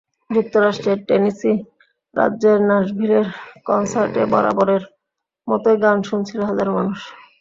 যুক্তরাষ্ট্রের টেনেসি রাজ্যের নাসভিলের কনসার্টে বরাবরের মতোই গান শুনছিল হাজারো মানুষ।